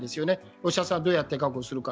お医者さんをどうやって確保するか。